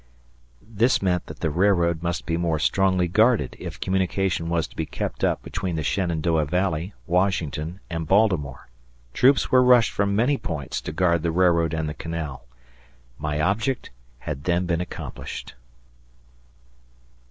This meant that the railroad must be more strongly guarded if communication was to be kept up between the Shenandoah Valley, Washington, and Baltimore. Troops were rushed from many points to guard the railroad and the canal. My object had then been accomplished.